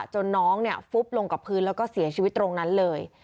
จนน้องฟุบลงกับพื้นแล้วก็เสียชีวิตตรงนั้นเลย